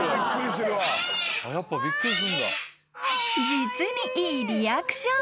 ［実にいいリアクション］